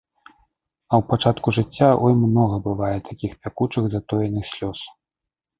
А ў пачатку жыцця, ой, многа бывае такіх пякучых затоеных слёз.